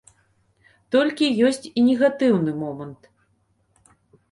Толькі ёсць і негатыўны момант.